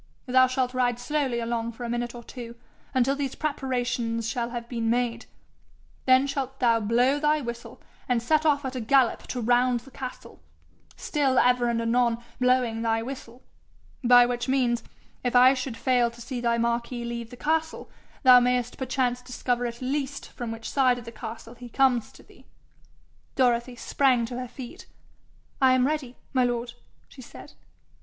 Thou shalt ride slowly along for a minute or two, until these preparations shall have been made; then shalt thou blow thy whistle, and set off at a gallop to round the castle, still ever and anon blowing thy whistle; by which means, if I should fail to see thy Marquis leave the castle, thou mayest perchance discover at least from which side of the castle he comes to thee.' Dorothy sprang to her feet. 'I am ready, my lord,' she said.